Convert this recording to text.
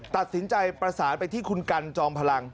ตัดสินใจประสานไปที่คุณกันจอมพลัง